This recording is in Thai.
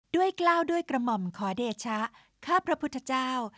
กล้าวด้วยกระหม่อมขอเดชะข้าพระพุทธเจ้า